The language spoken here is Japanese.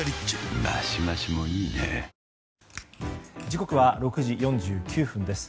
時刻は６時４９分です。